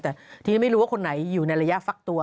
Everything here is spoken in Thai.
แต่ทีนี้ไม่รู้ว่าคนไหนอยู่ในระยะฟักตัว